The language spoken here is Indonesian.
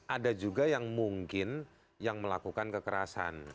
ada juga yang mungkin yang melakukan kekerasan